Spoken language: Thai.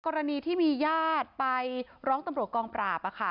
กรณีที่มีญาติไปร้องตำรวจกองปราบ